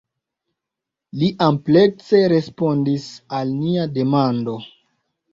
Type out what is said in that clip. Li amplekse respondis al nia demando.